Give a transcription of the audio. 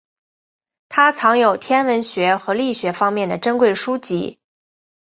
他藏有天文学和力学方面的珍贵书籍。